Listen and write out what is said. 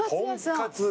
とんかつ